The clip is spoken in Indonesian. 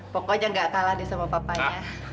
pokoknya gak kalah deh sama papanya